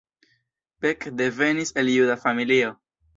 Beck devenis el juda familio.